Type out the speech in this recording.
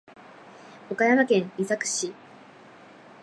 岡山県美作市